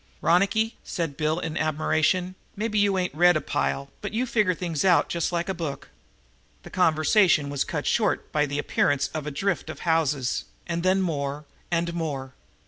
"Ronicky," said Bill Gregg in admiration, "maybe you ain't read a pile, but you figure things out just like a book." Their conversation was cut short by the appearance of a drift of houses, and then more and more.